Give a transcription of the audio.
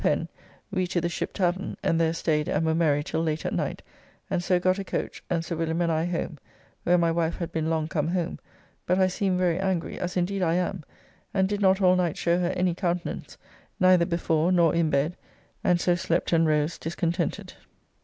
Pen, we to the Ship tavern, and there staid and were merry till late at night, and so got a coach, and Sir Wm. and I home, where my wife had been long come home, but I seemed very angry, as indeed I am, and did not all night show her any countenance, neither before nor in bed, and so slept and rose discontented.